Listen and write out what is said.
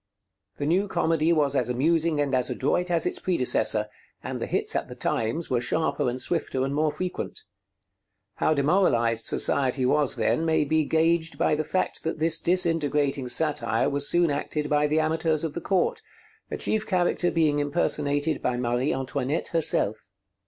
The new comedy was as amusing and as adroit as its predecessor, and the hits at the times were sharper and swifter and more frequent. How demoralized society was then may be gauged by the fact that this disintegrating satire was soon acted by the amateurs of the court, a chief character being impersonated by Marie Antoinette herself.